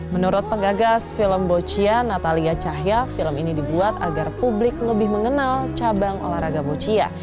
menurut penggagas film boccia natalia cahya film ini dibuat agar publik lebih mengenal cabang olahraga boccia